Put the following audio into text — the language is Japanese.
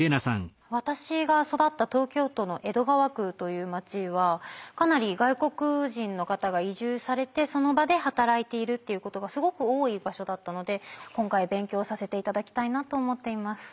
私が育った東京都の江戸川区という街はかなり外国人の方が移住されてその場で働いているっていうことがすごく多い場所だったので今回勉強させて頂きたいなと思っています。